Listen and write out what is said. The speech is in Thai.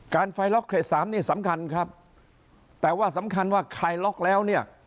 ไฟล็อกเขตสามนี่สำคัญครับแต่ว่าสำคัญว่าคลายล็อกแล้วเนี่ย